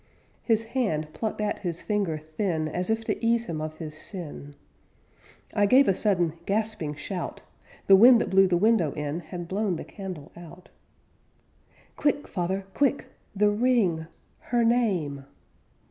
'_ His hand plucked at his finger thin As if to ease him of his sin. I gave a sudden gasping shout The wind that blew the window in Had blown the candle out. 'Quick, father, quick! _The ring ... her name....'